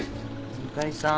ゆかりさん